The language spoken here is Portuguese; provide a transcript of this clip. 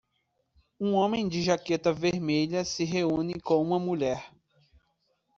Um homem de jaqueta vermelha se reúne com uma mulher.